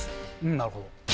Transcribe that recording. なるほど。